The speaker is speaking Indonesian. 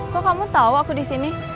kok kamu tau aku disini